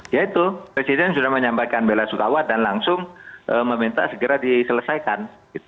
ya itu presiden sudah menyampaikan bela sukawat dan langsung meminta segera diselesaikan